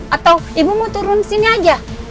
atau ibu mau turun sini aja